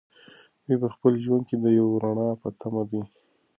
دی په خپل ژوند کې د یوې رڼا په تمه دی.